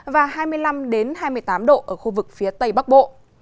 và hai mươi năm hai mươi tám độ ở khu vực phía tây bắc bộ